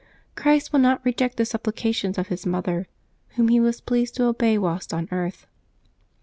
Christ will not reject the supplications of His mother, whom He was pleased to obey whilst on earth.